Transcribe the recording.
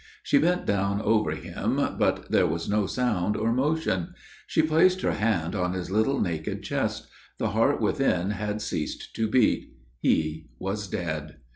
She bent down over him; but there was no sound or motion: she placed her hand on his little, naked chest; the heart within had ceased to beat: he was dead!